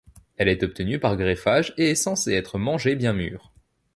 Elle est obtenue par greffage et est censée être mangée bien mûre.